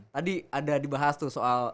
tadi ada dibahas tuh soal